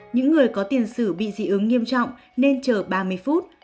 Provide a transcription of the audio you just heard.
những người có tiền sử bị dị ứng nghiêm trọng nên chờ ba mươi phút